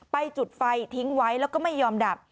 จุดไฟทิ้งไว้แล้วก็ไม่ยอมดับ